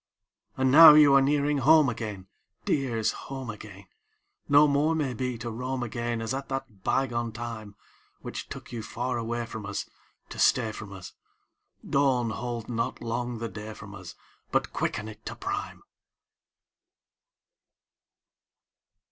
IV And now you are nearing home again, Dears, home again; No more, may be, to roam again As at that bygone time, Which took you far away from us To stay from us; Dawn, hold not long the day from us, But quicken it to prime!